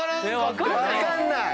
分かんない！